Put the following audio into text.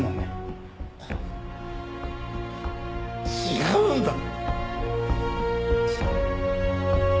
違うんだ。